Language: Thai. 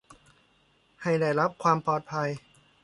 ให้ได้รับความปลอดภัย